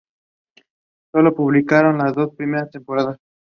Solo publicaron las dos primeras temporadas.